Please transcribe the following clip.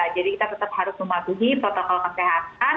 jadi kita tetap harus mematuhi protokol kesehatan